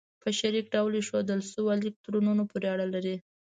په شریک ډول ایښودل شوو الکترونونو پورې اړه لري.